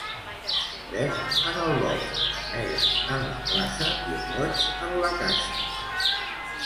Verd en el bosc, negre en la plaça i roig en la casa.